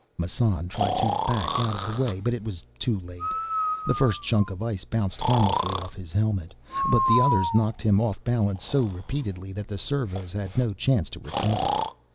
_ Massan tried to back out of the way, but it was too late. The first chunk of ice bounced harmlessly off his helmet, but the others knocked him off balance so repeatedly that the servos had no chance to recover.